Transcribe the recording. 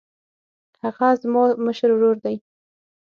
هغه زما مشر ورور دی